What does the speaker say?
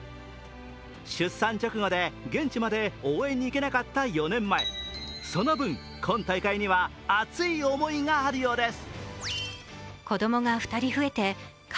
出産直後で現地まで応援に行けなかった４年前、その分、今大会には熱い思いがあるようです。